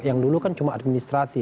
yang dulu kan cuma administratif